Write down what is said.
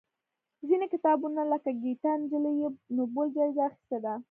ځینې کتابونه لکه ګیتا نجلي یې نوبل جایزه اخېستې ده.